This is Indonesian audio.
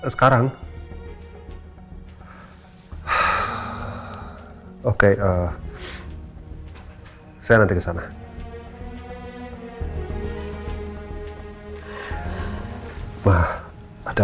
semoga aku bisa selamatkan rumah itu